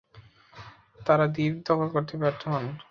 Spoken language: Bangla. তারা দ্বীপ দখল করতে ব্যর্থ হন।